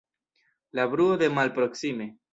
La bruo de malproksime.